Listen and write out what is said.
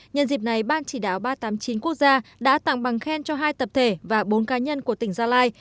nhân dịp này ban chỉ đạo ba trăm tám mươi chín quốc gia đã tặng bằng khen cho hai tập thể và bốn cá nhân của tỉnh gia lai